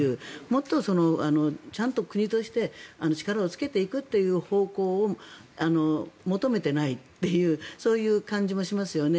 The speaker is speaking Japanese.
もっとちゃんと国として力をつけていくという方向を求めていないというそういう感じもしますよね。